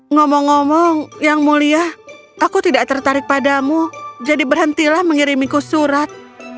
ngomong ngomong yang mulia aku tidak tertarik padamu jadi berhentilah mengirimiku surat